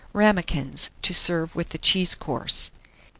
RAMAKINS, to serve with the CHEESE COURSE.